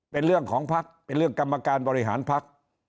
เป็นเรื่องของภักดิ์เป็นเรื่องกรรมการบริหารพัก